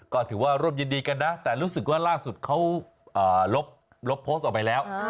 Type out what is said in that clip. ก็ถือว่าร่วมยินดีกันนะแต่รู้สึกว่าล่าสุดเขาลบโพสต์ออกไปแล้ว